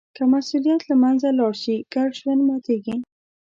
که مسوولیت له منځه لاړ شي، ګډ ژوند ماتېږي.